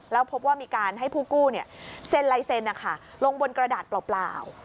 แล้วพบว่ามีการให้ผู้กู้เซ็นลายเซ็นลงบนกระดาษเปล่า